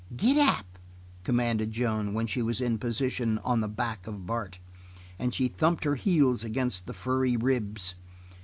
"Giddap," commanded Joan, when she was in position on the back of Bart. And she thumped her heels against the furry ribs.